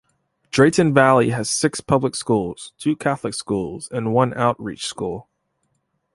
Drayton Valley has six public schools, two Catholic schools, and one outreach school.